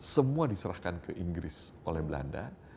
semua diserahkan ke inggris oleh belanda